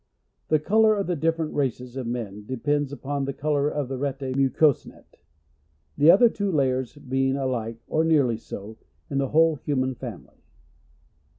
The colour of the different races of men de pends upon the colour of this rete mucosum, (mucous net ;) ihe other two layers being alike or nearly so, in the whole human family.